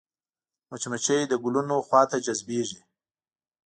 مچمچۍ د ګلونو خوا ته جذبېږي